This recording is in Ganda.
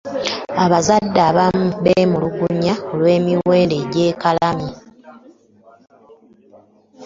Abazadde abamu bemulugunya olw'emiwendo egyekanamye.